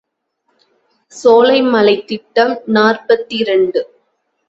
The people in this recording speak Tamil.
சோலைமலைத் திட்டம் நாற்பத்திரண்டு.